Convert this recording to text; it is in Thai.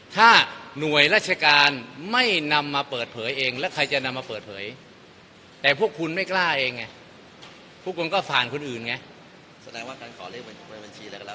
ถ้าหน่วยราชการไม่นำมาเปิดเผยเองแล้วใครจะนำมาเปิดเผยแต่พวกคุณไม่กล้าเองไงพวกมันก็ฝ่านคุณอื่นไง